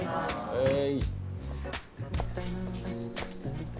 はい。